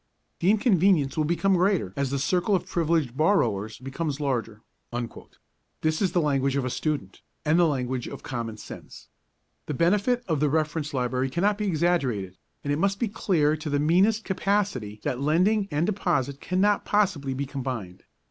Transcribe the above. The inconvenience will become greater as the circle of privileged borrowers becomes larger'; this is the language of a student, and the language of common sense. The benefit of a reference library cannot be exaggerated, and it must be clear to the meanest capacity that lending and deposit cannot possibly be combined.